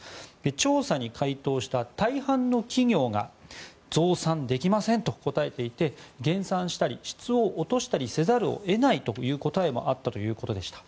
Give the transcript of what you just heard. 調査に回答した大半の企業が増産できませんと答えていて減産したり質を落としたりせざるを得ないといった回答もあったということでした。